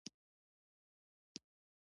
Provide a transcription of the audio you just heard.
مېس وان کمپن له اصل سوال څخه ځان ناګومانه کړ.